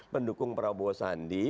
mendukung prabowo sandi